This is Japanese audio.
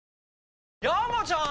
山ちゃん！